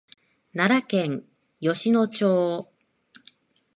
奈良県吉野町